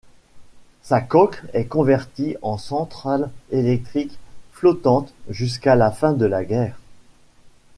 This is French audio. Sa coque est convertie en centrale électrique flottante jusqu'à la fin de la guerre.